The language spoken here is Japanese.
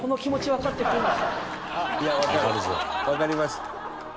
わかります。